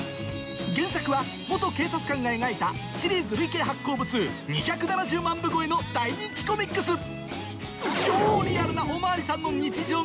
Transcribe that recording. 原作は警察官が描いたシリーズ累計発行部数２７０万部超えの大人気コミックス何だ